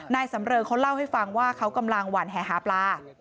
สำเริงเขาเล่าให้ฟังว่าเขากำลังหวั่นแห่หาปลา